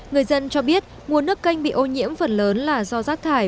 người dân cho biết nguồn nước canh bị ô nhiễm phần lớn là do rác thải